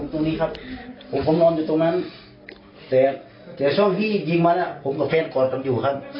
ผมตรงนี้ครับผมก็มองอยู่ตรงนั้นแต่ช่องที่ยิงมาเนี่ยผมกับแฟนก่อนตามอยู่ครับ